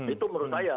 itu menurut saya